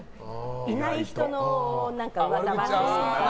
いない人の噂話とか。